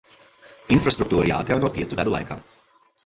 Infrastruktūra jāatjauno piecu gadu laikā.